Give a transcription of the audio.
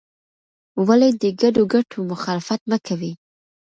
ولې د ګډو ګټو مخالفت مه کوې؟